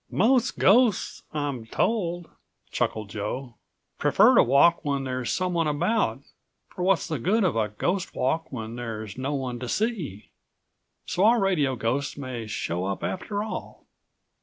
"Most ghosts, I'm told," chuckled Joe, "prefer to walk when there's someone about, for what's the good of a ghost walk when there's no one to see. So our radio ghost may show up after all."